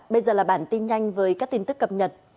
bây giờ là bản tin nhanh với các tin tức cập nhật